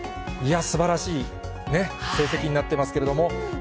いや、すばらしい、成績になってますけれども。